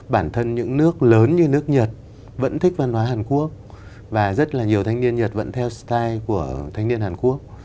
bản thân những nước lớn như nước nhật vẫn thích văn hóa hàn quốc và rất là nhiều thanh niên nhật vẫn theo style của thanh niên hàn quốc